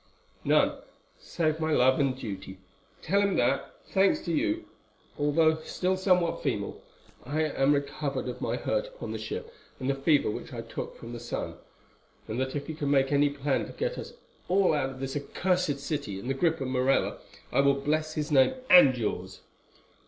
"None, save my love and duty. Tell him that, thanks to you, although still somewhat feeble, I am recovered of my hurt upon the ship and the fever which I took from the sun, and that if he can make any plan to get us all out of this accursed city and the grip of Morella I will bless his name and yours."